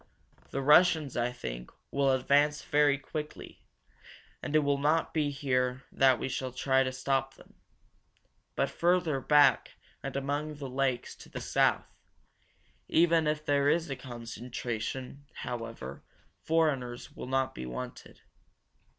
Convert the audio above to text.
The Russians, I think, will advance very quickly, and it will not be here that we shall try to stop them, but further back and among the lakes to the south. Even if there is a concentration, however, foreigners will not be wanted."